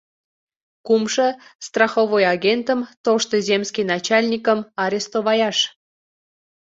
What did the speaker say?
Кумшо — страховой агентым, тошто земский начальникым, арестоваяш.